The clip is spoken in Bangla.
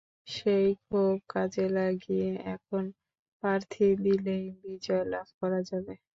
সেই ক্ষোভ কাজে লাগিয়ে একক প্রার্থী দিলেই বিজয় লাভ করা যাবে।